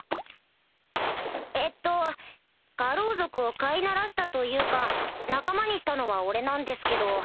えっと牙狼族を飼いならしたというか仲間にしたのは俺なんですけど。